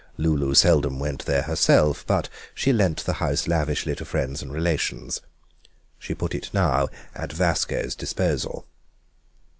Lulu seldom went there herself, but she lent the house lavishly to friends and relations. She put it now at Vasco's disposal.